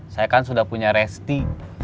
saya kan sudah punya resti